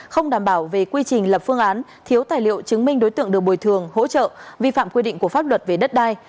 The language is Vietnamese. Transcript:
không đảm bảo về quy trình lập phương án thiếu tài liệu chứng minh đối tượng được bồi thường hỗ trợ vi phạm quy định của pháp luật về đất đai